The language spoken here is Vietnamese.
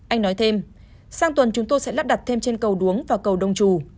anh nói thêm sang tuần chúng tôi sẽ lắp đặt thêm chân cầu đuống và cầu đông trù